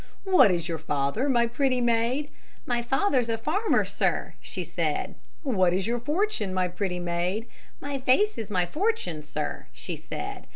"What is your father, my pretty maid?" "My father's a farmer, sir," she said. "What is your fortune, my pretty maid?" "My face is my fortune, sir," she said.